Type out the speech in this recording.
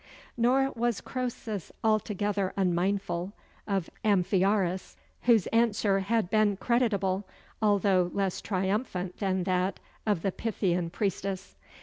Nor was Croesus altogether unmindful of Amphiaraus, whose answer had been creditable, though less triumphant than that of the Pythian priestess.